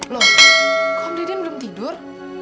loh kok om deden belum tidur